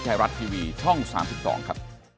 ไทยรัฐทีวีช่อง๓๒ครับ